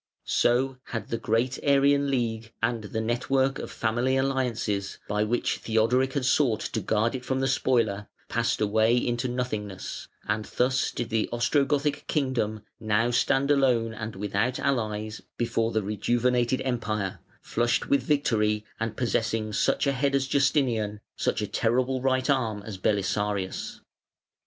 ] So had the great Arian league and the network of family alliances, by which Theodoric had sought to guard it from the spoiler, passed away into nothingness: and thus did the Ostrogothic kingdom now stand alone and without allies before the rejuvenated Empire, flushed with victory, and possessing such a head as Justinian, such a terrible right arm as Belisarius.